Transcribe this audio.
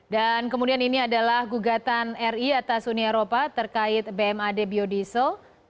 dan kemudian ini adalah gugatan ri atas uni eropa terkait bmad biodiesel